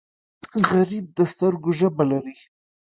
غریب د سترګو ژبه لري